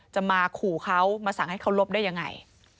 จะมาขู่เขามาสั่งให้เขาลบได้ยังไง